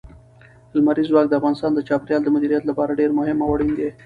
لمریز ځواک د افغانستان د چاپیریال د مدیریت لپاره ډېر مهم او اړین دي.